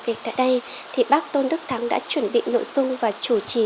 trong thời gian bắc tôn đức thắng ở và làm việc tại đây thì bắc tôn đức thắng đã chuẩn bị nội dung